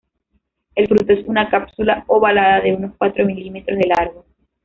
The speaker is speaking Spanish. El fruto es una cápsula ovalada de unos cuatro milímetros de largo.